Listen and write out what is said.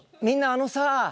みんなあのさぁ。